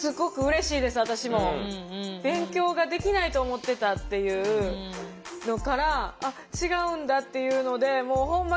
勉強ができないと思ってたっていうのから「あっ違うんだ」っていうのでほんま